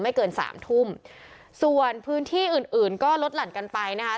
เกินสามทุ่มส่วนพื้นที่อื่นอื่นก็ลดหลั่นกันไปนะคะ